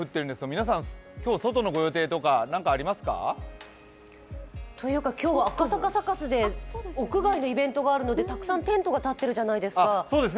皆さん、今日、外のご予定とか何かありますか？というか、今日は赤坂サカスでイベントがあるのでたくさんテントが立ってるじゃないですか。